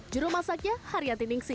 juru masaknya haryati ningsi